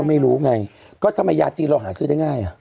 ไม่รู้ไงก็ทำไมยาจีนเราหาซื้อได้ง่ายอ่ะ